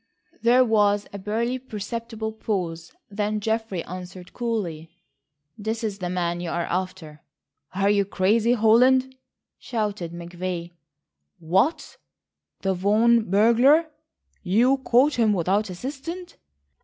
There was a barely perceptible pause. Then Geoffrey answered coolly: "That is the man you are after." "Are you crazy, Holland?" shouted McVay. "What, the Vaughan burglar? You caught him without assistance?"